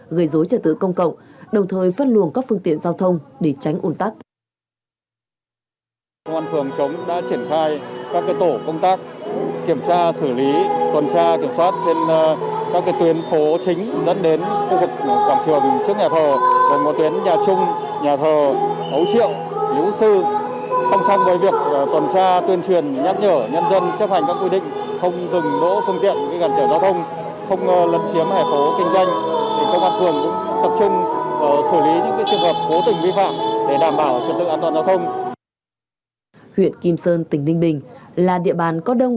gây dối trả tự công cộng đồng thời phân luồng các phương tiện giao thông để tránh ủn tắc